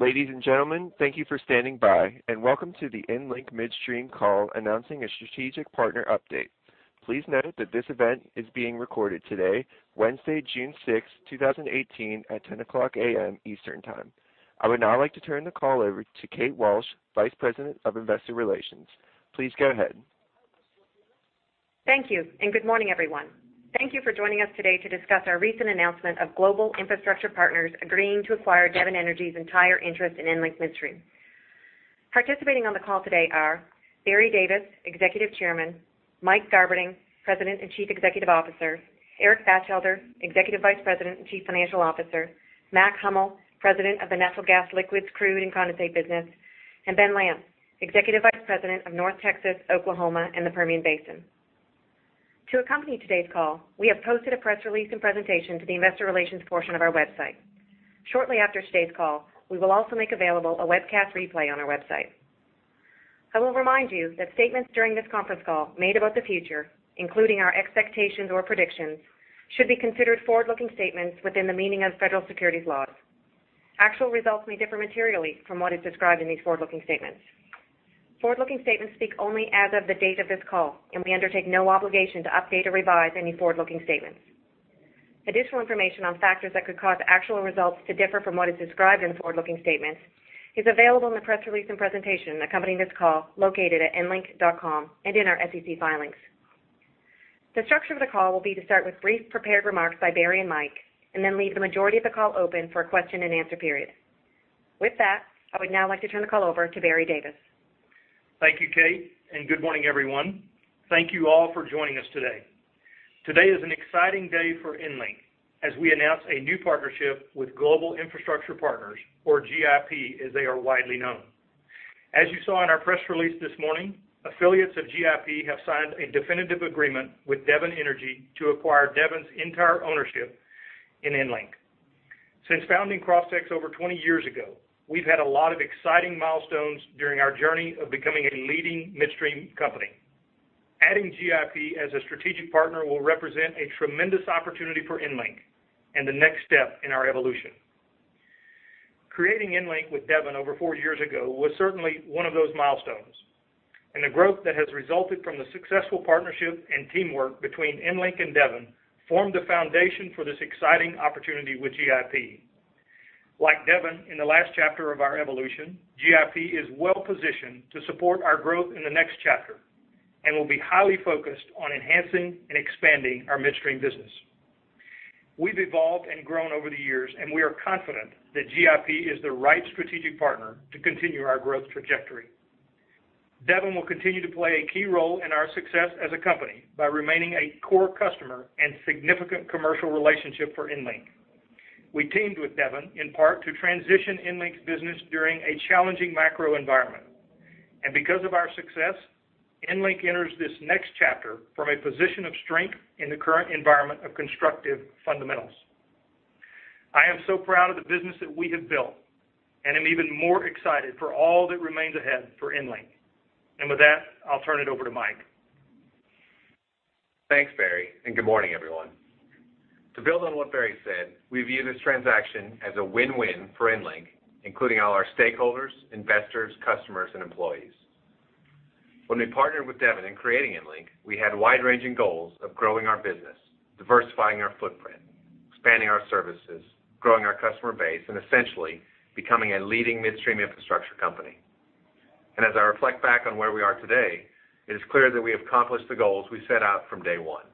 Ladies and gentlemen, thank you for standing by, and welcome to the EnLink Midstream call announcing a strategic partner update. Please note that this event is being recorded today, Wednesday, June 6, 2018, at 10:00 A.M. Eastern Time. I would now like to turn the call over to Kate Walsh, Vice President of Investor Relations. Please go ahead. Thank you. Good morning, everyone. Thank you for joining us today to discuss our recent announcement of Global Infrastructure Partners agreeing to acquire Devon Energy's entire interest in EnLink Midstream. Participating on the call today are Barry Davis, Executive Chairman, Mike Garberding, President and Chief Executive Officer, Eric Batchelder, Executive Vice President and Chief Financial Officer, Matt Hummel, President of the Natural Gas Liquids, Crude and Condensate Business, and Ben Lamb, Executive Vice President of North Texas, Oklahoma, and the Permian Basin. To accompany today's call, we have posted a press release and presentation to the investor relations portion of our website. Shortly after today's call, we will also make available a webcast replay on our website. I will remind you that statements during this conference call made about the future, including our expectations or predictions, should be considered forward-looking statements within the meaning of federal securities laws. Actual results may differ materially from what is described in these forward-looking statements. Forward-looking statements speak only as of the date of this call. We undertake no obligation to update or revise any forward-looking statements. Additional information on factors that could cause actual results to differ from what is described in the forward-looking statements is available in the press release and presentation accompanying this call located at enlink.com and in our SEC filings. The structure of the call will be to start with brief prepared remarks by Barry and Mike. Then leave the majority of the call open for a question and answer period. With that, I would now like to turn the call over to Barry Davis. Thank you, Kate. Good morning, everyone. Thank you all for joining us today. Today is an exciting day for EnLink as we announce a new partnership with Global Infrastructure Partners, or GIP, as they are widely known. As you saw in our press release this morning, affiliates of GIP have signed a definitive agreement with Devon Energy to acquire Devon's entire ownership in EnLink. Since founding Crosstex over 20 years ago, we've had a lot of exciting milestones during our journey of becoming a leading midstream company. Adding GIP as a strategic partner will represent a tremendous opportunity for EnLink and the next step in our evolution. Creating EnLink with Devon over four years ago was certainly one of those milestones. The growth that has resulted from the successful partnership and teamwork between EnLink and Devon formed the foundation for this exciting opportunity with GIP. Like Devon, in the last chapter of our evolution, GIP is well-positioned to support our growth in the next chapter and will be highly focused on enhancing and expanding our midstream business. We've evolved and grown over the years, and we are confident that GIP is the right strategic partner to continue our growth trajectory. Devon will continue to play a key role in our success as a company by remaining a core customer and significant commercial relationship for EnLink. Because of our success, EnLink enters this next chapter from a position of strength in the current environment of constructive fundamentals. I am so proud of the business that we have built and am even more excited for all that remains ahead for EnLink. With that, I'll turn it over to Mike. Thanks, Barry, good morning, everyone. To build on what Barry said, we view this transaction as a win-win for EnLink, including all our stakeholders, investors, customers, and employees. When we partnered with Devon in creating EnLink, we had wide-ranging goals of growing our business, diversifying our footprint, expanding our services, growing our customer base, and essentially becoming a leading midstream infrastructure company. As I reflect back on where we are today, it is clear that we have accomplished the goals we set out from day one.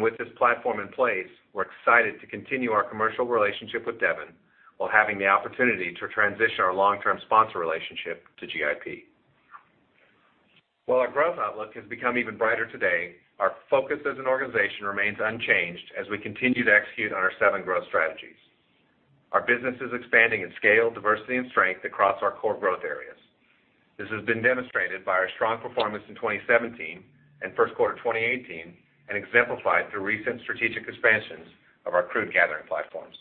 With this platform in place, we're excited to continue our commercial relationship with Devon while having the opportunity to transition our long-term sponsor relationship to GIP. While our growth outlook has become even brighter today, our focus as an organization remains unchanged as we continue to execute on our seven growth strategies. Our business is expanding in scale, diversity, and strength across our core growth areas. This has been demonstrated by our strong performance in 2017 and first quarter 2018 and exemplified through recent strategic expansions of our crude gathering platforms.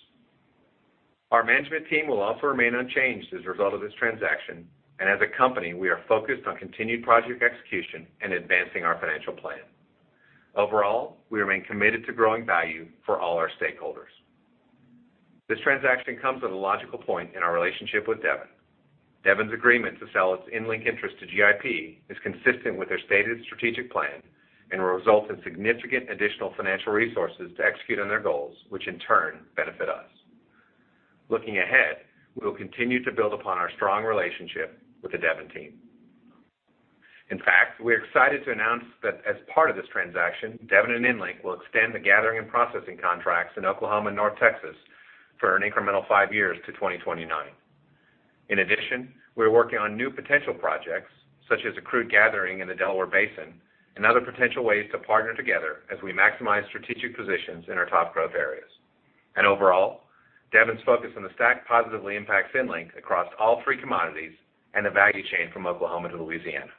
Our management team will also remain unchanged as a result of this transaction, and as a company, we are focused on continued project execution and advancing our financial plan. Overall, we remain committed to growing value for all our stakeholders. This transaction comes at a logical point in our relationship with Devon. Devon's agreement to sell its EnLink interest to GIP is consistent with their stated strategic plan and will result in significant additional financial resources to execute on their goals, which in turn benefit us. Looking ahead, we will continue to build upon our strong relationship with the Devon team. In fact, we're excited to announce that as part of this transaction, Devon and EnLink will extend the gathering and processing contracts in Oklahoma, North Texas for an incremental five years to 2029. In addition, we're working on new potential projects, such as a crude gathering in the Delaware Basin and other potential ways to partner together as we maximize strategic positions in our top growth areas. Overall, Devon's focus on the STACK positively impacts EnLink across all three commodities and the value chain from Oklahoma to Louisiana.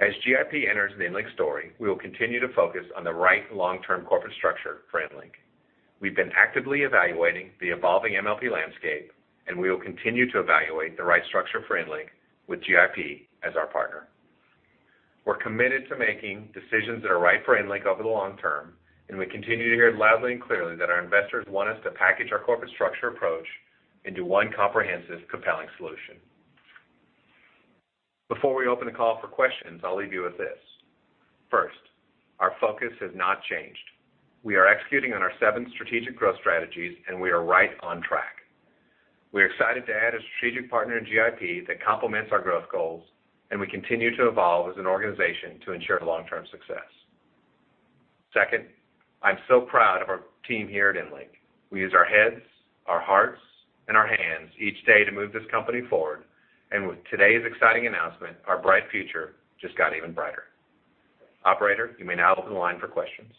As GIP enters the EnLink story, we will continue to focus on the right long-term corporate structure for EnLink. We've been actively evaluating the evolving MLP landscape, and we will continue to evaluate the right structure for EnLink with GIP as our partner. We're committed to making decisions that are right for EnLink over the long term. We continue to hear loudly and clearly that our investors want us to package our corporate structure approach into one comprehensive, compelling solution. Before we open the call for questions, I'll leave you with this. First, our focus has not changed. We are executing on our seven strategic growth strategies. We are right on track. We're excited to add a strategic partner in GIP that complements our growth goals. We continue to evolve as an organization to ensure long-term success. Second, I'm so proud of our team here at EnLink. We use our heads, our hearts, and our hands each day to move this company forward. With today's exciting announcement, our bright future just got even brighter. Operator, you may now open the line for questions.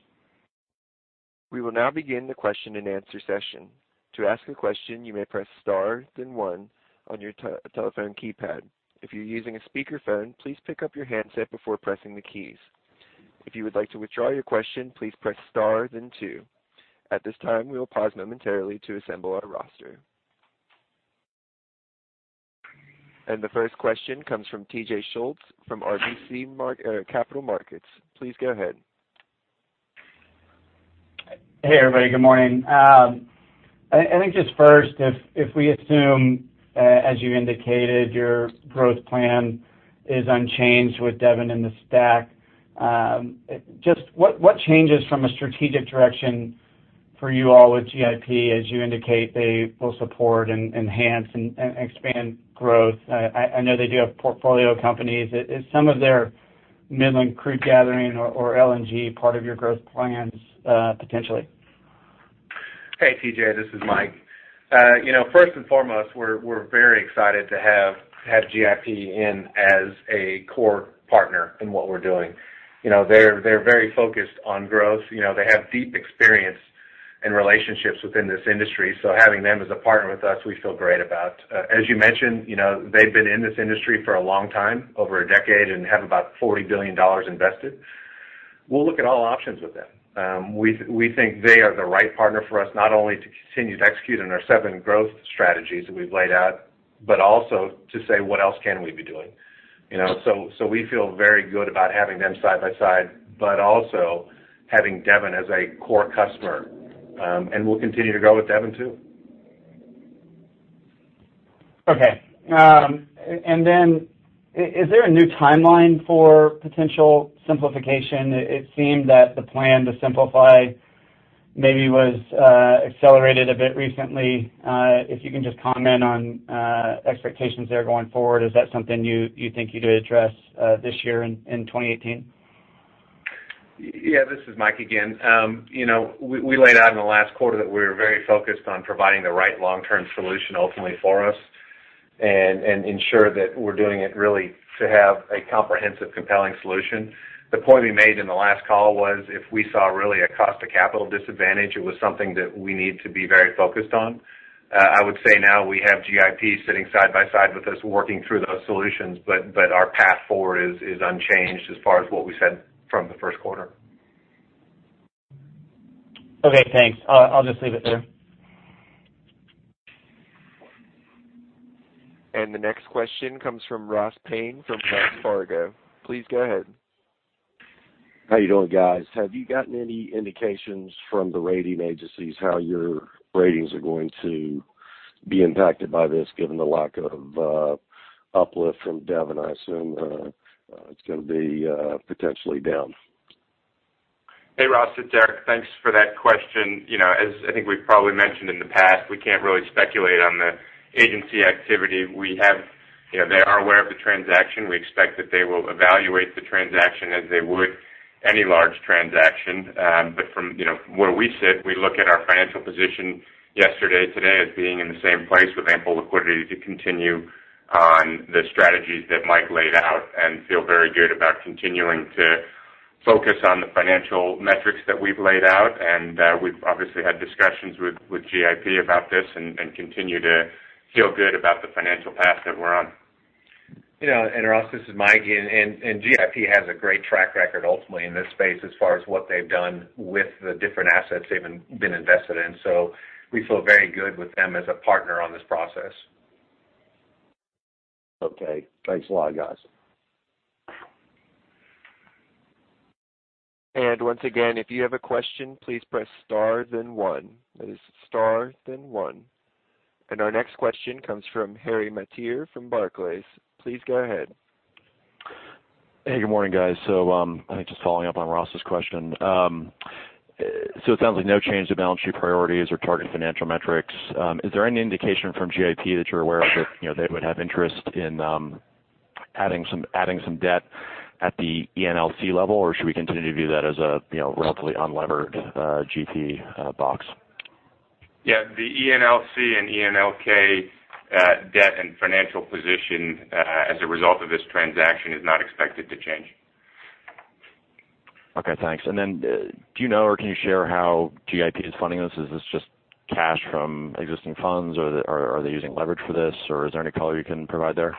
We will now begin the question-and-answer session. To ask a question, you may press star then one on your telephone keypad. If you're using a speakerphone, please pick up your handset before pressing the keys. If you would like to withdraw your question, please press star then two. At this time, we will pause momentarily to assemble our roster. The first question comes from T.J. Schultz from RBC Capital Markets. Please go ahead. Hey, everybody. Good morning. I think just first, if we assume, as you indicated, your growth plan is unchanged with Devon and the STACK, just what changes from a strategic direction for you all with GIP? As you indicate, they will support and enhance and expand growth. I know they do have portfolio companies. Is some of their Midland crude gathering or LNG part of your growth plans, potentially? Hey, T.J., this is Mike. First and foremost, we're very excited to have GIP in as a core partner in what we're doing. They're very focused on growth. They have deep experience in relationships within this industry. Having them as a partner with us, we feel great about. As you mentioned, they've been in this industry for a long time, over a decade, and have about $40 billion invested. We'll look at all options with them. We think they are the right partner for us, not only to continue to execute on our seven growth strategies that we've laid out, but also to say, what else can we be doing? We feel very good about having them side by side, but also having Devon as a core customer. We'll continue to go with Devon, too. Okay. Is there a new timeline for potential simplification? It seemed that the plan to simplify maybe was accelerated a bit recently. If you can just comment on expectations there going forward. Is that something you think you'd address this year in 2018? Yeah. This is Mike again. We laid out in the last quarter that we were very focused on providing the right long-term solution ultimately for us, and ensure that we're doing it really to have a comprehensive, compelling solution. The point we made in the last call was if we saw really a cost of capital disadvantage, it was something that we need to be very focused on. I would say now we have GIP sitting side by side with us working through those solutions, but our path forward is unchanged as far as what we said from the first quarter. Okay, thanks. I'll just leave it there. The next question comes from Ross Payne from Wells Fargo. Please go ahead. How you doing, guys? Have you gotten any indications from the rating agencies how your ratings are going to be impacted by this, given the lack of uplift from Devon Energy? I assume it's going to be potentially down. Hey, Ross. It's Eric. Thanks for that question. As I think we've probably mentioned in the past, we can't really speculate on the agency activity. They are aware of the transaction. We expect that they will evaluate the transaction as they would any large transaction. From where we sit, we look at our financial position yesterday, today, as being in the same place with ample liquidity to continue on the strategies that Mike laid out and feel very good about continuing to focus on the financial metrics that we've laid out. We've obviously had discussions with GIP about this and continue to feel good about the financial path that we're on. Ross, this is Mike. GIP has a great track record ultimately in this space as far as what they've done with the different assets they've been invested in. We feel very good with them as a partner on this process. Okay. Thanks a lot, guys. Once again, if you have a question, please press star then one. That is star then one. Our next question comes from Harry Mateer from Barclays. Please go ahead. Hey, good morning, guys. I think just following up on Ross's question. It sounds like no change to balance sheet priorities or target financial metrics. Is there any indication from GIP that you're aware of that they would have interest in adding some debt at the ENLC level? Should we continue to view that as a relatively unlevered GP box? Yeah. The ENLC and ENLK debt and financial position as a result of this transaction is not expected to change. Okay, thanks. Then do you know or can you share how GIP is funding this? Is this just cash from existing funds, are they using leverage for this, is there any color you can provide there?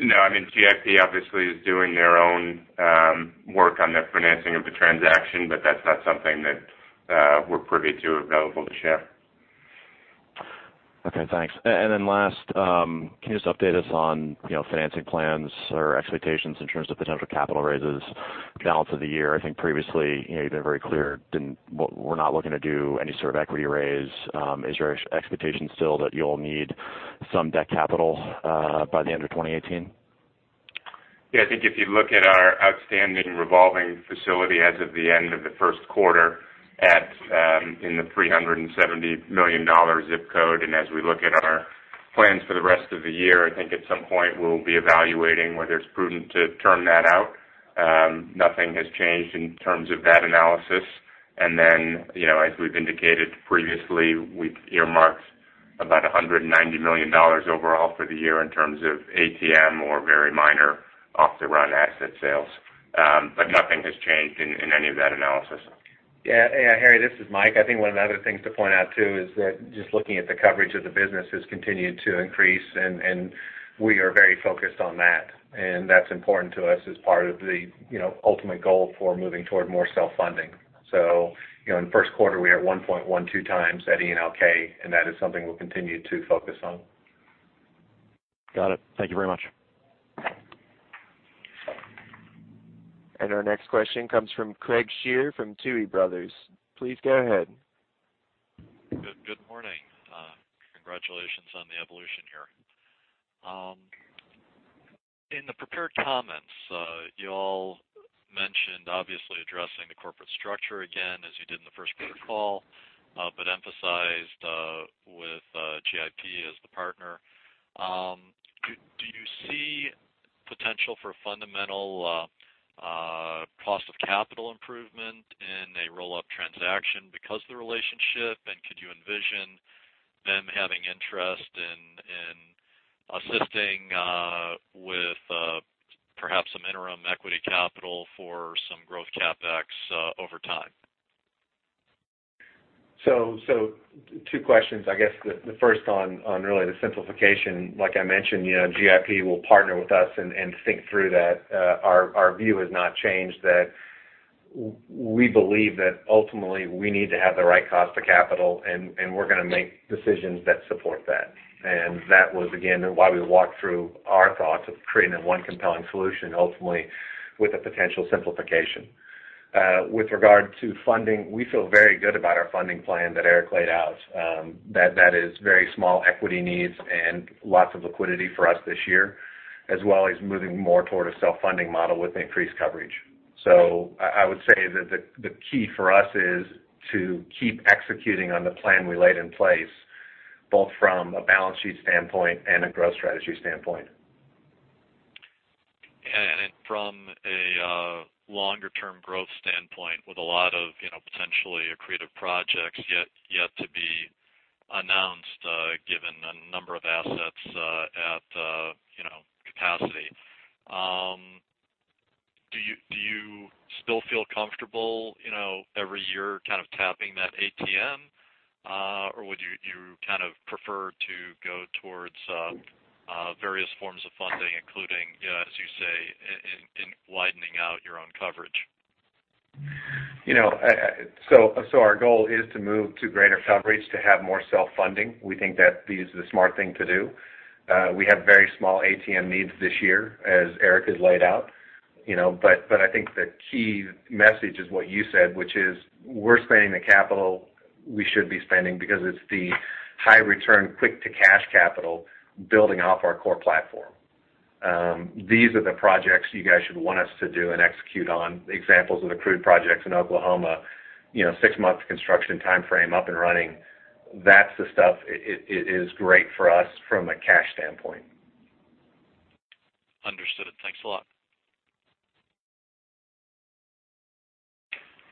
No. GIP obviously is doing their own work on the financing of the transaction, but that's not something that we're privy to or available to share. Okay. Thanks. Last, can you just update us on financing plans or expectations in terms of potential capital raises balance of the year? I think previously, you've been very clear, we're not looking to do any sort of equity raise. Is your expectation still that you'll need some debt capital by the end of 2018? I think if you look at our outstanding revolving facility as of the end of the first quarter in the $370 million ZIP code. As we look at our plans for the rest of the year, I think at some point we'll be evaluating whether it's prudent to term that out. Nothing has changed in terms of that analysis. As we've indicated previously, we've earmarked about $190 million overall for the year in terms of ATM or very minor off-the-run asset sales. Nothing has changed in any of that analysis. Hey, Harry, this is Mike. I think one of the other things to point out too is that just looking at the coverage of the business has continued to increase, and we are very focused on that, and that's important to us as part of the ultimate goal for moving toward more self-funding. In the first quarter, we are at 1.12 times at ENLK, and that is something we'll continue to focus on. Got it. Thank you very much. Our next question comes from Craig Shere from Tuohy Brothers. Please go ahead. Good morning. Congratulations on the evolution here. In the prepared comments, you all mentioned, obviously addressing the corporate structure again, as you did in the first quarter call, but emphasized with GIP as the partner. Do you see potential for fundamental cost of capital improvement in a roll-up transaction because of the relationship, and could you envision them having interest in assisting with perhaps some interim equity capital for some growth CapEx over time? Two questions. I guess, the first on really the simplification. Like I mentioned, GIP will partner with us and think through that. Our view has not changed, that we believe that ultimately we need to have the right cost of capital, and we're going to make decisions that support that. That was, again, why we walked through our thoughts of creating a one compelling solution, ultimately with a potential simplification. With regard to funding, we feel very good about our funding plan that Eric laid out. That is very small equity needs and lots of liquidity for us this year, as well as moving more toward a self-funding model with increased coverage. I would say that the key for us is to keep executing on the plan we laid in place, both from a balance sheet standpoint and a growth strategy standpoint. From a longer-term growth standpoint, with a lot of potentially accretive projects yet to be announced, given a number of assets at capacity. Do you still feel comfortable every year kind of tapping that ATM? Or would you kind of prefer to go towards various forms of funding, including, as you say, in widening out your own coverage? Our goal is to move to greater coverage to have more self-funding. We think that is the smart thing to do. We have very small ATM needs this year, as Eric has laid out. I think the key message is what you said, which is we're spending the capital we should be spending because it's the high return, quick to cash capital building off our core platform. These are the projects you guys should want us to do and execute on. Examples of STACK projects in Oklahoma. Six months construction timeframe up and running. That's the stuff. It is great for us from a cash standpoint. Understood. Thanks a lot.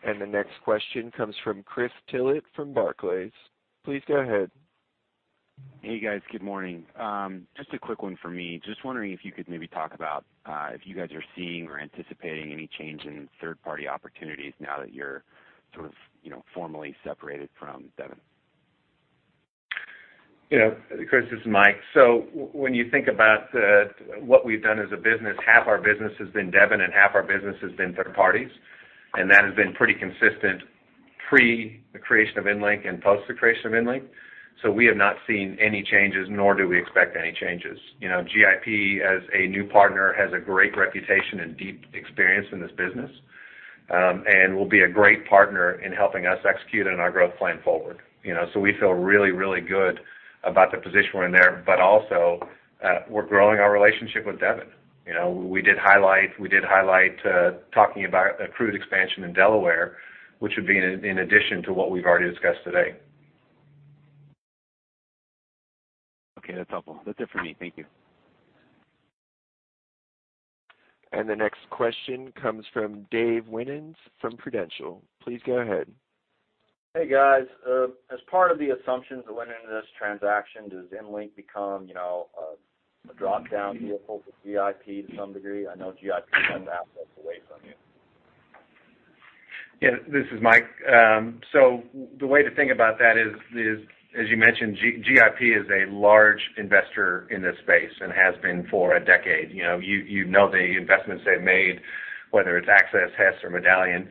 The next question comes from Chris Tillett from Barclays. Please go ahead. Hey, guys. Good morning. Just a quick one for me. Just wondering if you could maybe talk about if you guys are seeing or anticipating any change in third-party opportunities now that you're sort of formally separated from Devon. Chris, this is Mike. When you think about what we've done as a business, half our business has been Devon and half our business has been third parties. That has been pretty consistent pre the creation of EnLink and post the creation of EnLink. We have not seen any changes, nor do we expect any changes. GIP, as a new partner, has a great reputation and deep experience in this business. Will be a great partner in helping us execute on our growth plan forward. We feel really, really good about the position we're in there. Also, we're growing our relationship with Devon. We did highlight talking about a crude expansion in Delaware, which would be in addition to what we've already discussed today. Okay. That's helpful. That's it for me. Thank you. The next question comes from Dave Winans from Prudential. Please go ahead. Hey, guys. As part of the assumptions that went into this transaction, does EnLink become a drop-down vehicle for GIP to some degree? I know GIP sent the assets away from you. Yeah, this is Mike. The way to think about that is, as you mentioned, GIP is a large investor in this space and has been for a decade. You know the investments they've made, whether it's Access, Hess, or Medallion.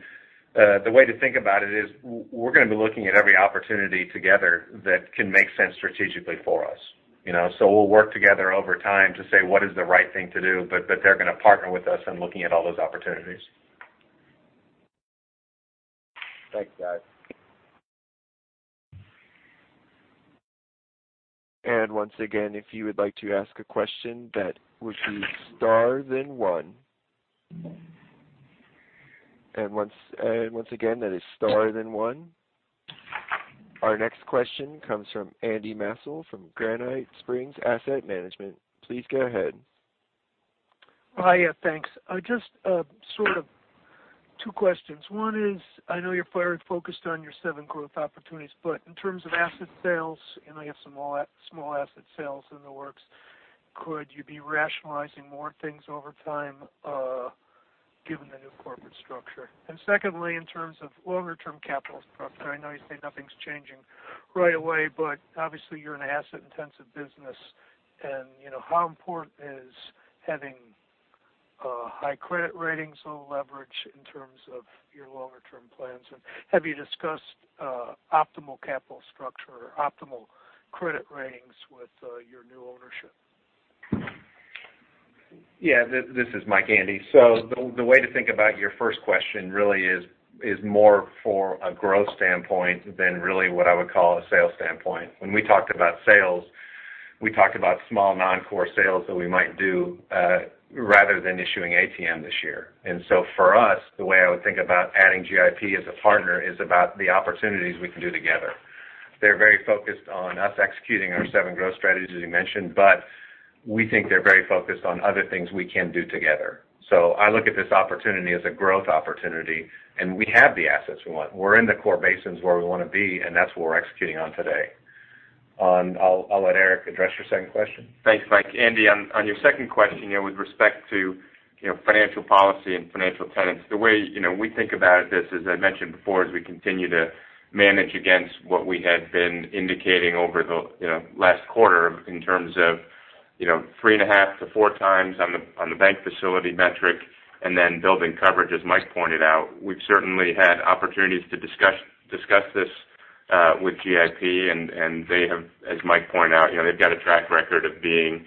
The way to think about it is we're going to be looking at every opportunity together that can make sense strategically for us. We'll work together over time to say, what is the right thing to do, but that they're going to partner with us in looking at all those opportunities. Thanks, guys. Once again, if you would like to ask a question, that would be star then one. Once again, that is star then one. Our next question comes from Andy Messelle from Granite Springs Asset Management. Please go ahead. Hi. Yeah, thanks. Just sort of two questions. One is, I know you're very focused on your seven growth opportunities, but in terms of asset sales, I know you have some small asset sales in the works. Could you be rationalizing more things over time, given the new corporate structure? Secondly, in terms of longer term capital structure, I know you say nothing's changing right away, but obviously you're an asset intensive business. How important is having high credit ratings or leverage in terms of your longer term plans? Have you discussed optimal capital structure or optimal credit ratings with your new ownership? Yeah, this is Mike, Andy. The way to think about your first question really is more for a growth standpoint than really what I would call a sales standpoint. When we talked about sales, we talked about small non-core sales that we might do, rather than issuing ATM this year. For us, the way I would think about adding GIP as a partner is about the opportunities we can do together. They're very focused on us executing our seven growth strategies you mentioned, but we think they're very focused on other things we can do together. I look at this opportunity as a growth opportunity, and we have the assets we want. We're in the core basins where we want to be, and that's what we're executing on today. I'll let Eric address your second question. Thanks, Mike. Andy, on your second question with respect to financial policy and financial tenets, the way we think about this, as I mentioned before, is we continue to manage against what we had been indicating over the last quarter in terms of three and a half to four times on the bank facility metric, and then building coverage, as Mike pointed out. We've certainly had opportunities to discuss this with GIP, and they have, as Mike pointed out, they've got a track record of being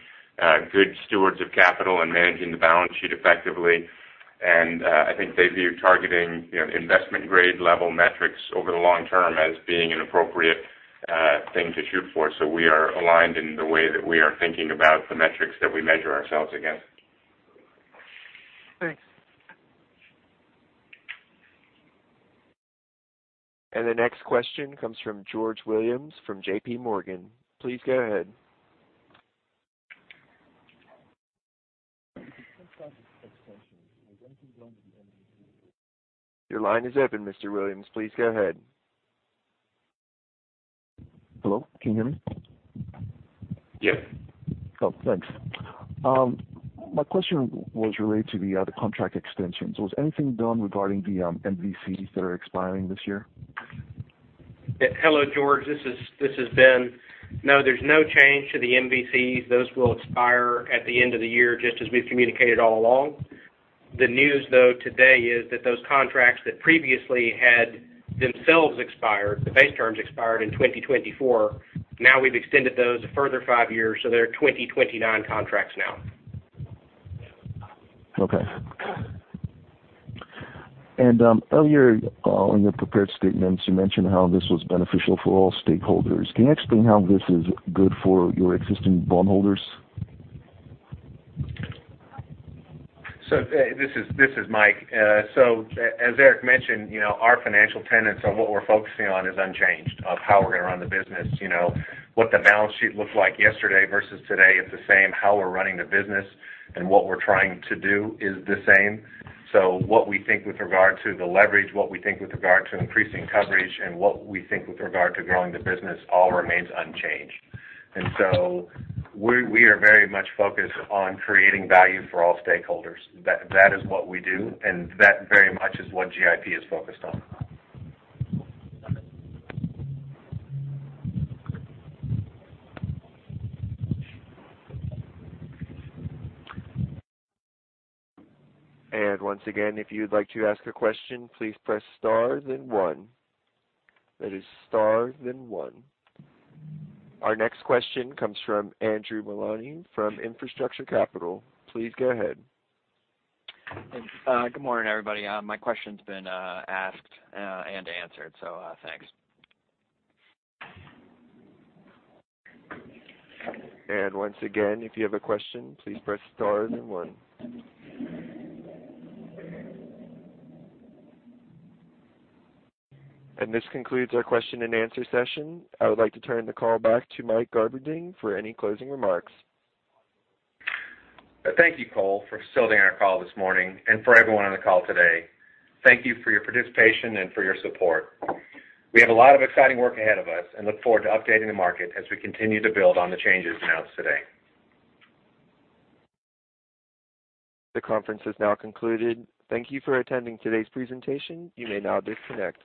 good stewards of capital and managing the balance sheet effectively. I think they view targeting investment grade level metrics over the long term as being an appropriate thing to shoot for. We are aligned in the way that we are thinking about the metrics that we measure ourselves against. Thanks. The next question comes from George Williams from JP Morgan. Please go ahead. Your line is open, Mr. Williams. Please go ahead. Hello, can you hear me? Yep. Thanks. My question was related to the other contract extensions. Was anything done regarding the MVCs that are expiring this year? Hello, George, this is Ben. No, there's no change to the MVCs. Those will expire at the end of the year, just as we've communicated all along. The news though today is that those contracts that previously had themselves expired, the base terms expired in 2024. Now we've extended those a further five years, so they're 2029 contracts now. Okay. Earlier in your prepared statements, you mentioned how this was beneficial for all stakeholders. Can you explain how this is good for your existing bondholders? This is Mike. As Eric mentioned, our financial tenets on what we're focusing on is unchanged of how we're going to run the business. What the balance sheet looked like yesterday versus today is the same. How we're running the business and what we're trying to do is the same. What we think with regard to the leverage, what we think with regard to increasing coverage, and what we think with regard to growing the business all remains unchanged. We are very much focused on creating value for all stakeholders. That is what we do, and that very much is what GIP is focused on. Okay. Once again, if you'd like to ask a question, please press star then one. That is star then one. Our next question comes from Andrew Maloney from Infrastructure Capital. Please go ahead. Good morning, everybody. My question's been asked and answered. Thanks. Once again, if you have a question, please press star then one. This concludes our question and answer session. I would like to turn the call back to Mike Garberding for any closing remarks. Thank you, Cole, for starting our call this morning and for everyone on the call today. Thank you for your participation and for your support. We have a lot of exciting work ahead of us and look forward to updating the market as we continue to build on the changes announced today. The conference is now concluded. Thank you for attending today's presentation. You may now disconnect.